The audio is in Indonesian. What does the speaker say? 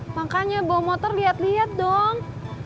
makanya bawa motor liat liat dong